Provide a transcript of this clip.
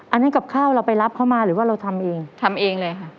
อันนั้นกับข้าวเราไปรับเขามาหรือว่าเราทำเองทำเองเลยค่ะ